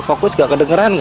fokus gak kedengeran gak